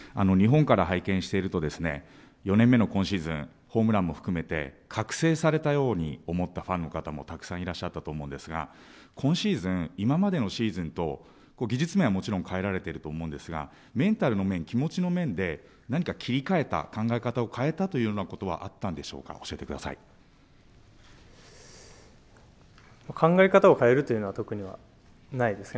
日本から拝見していると、４年目の今シーズン、ホームランも含めて覚醒されたように思ったファンの方もたくさんいらっしゃったと思うんですが、今シーズン、今までのシーズンと技術面はもちろん変えられていると思うんですが、メンタルの面、気持ちの面で、何か切り替えた、考え方を変えたというようなことはあったんでし考え方を変えるというのは特にはないですね。